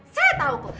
saya tau kok